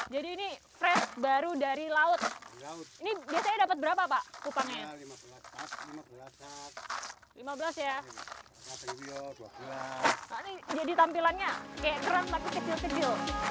jadi tampilannya kayak keren tapi kecil kecil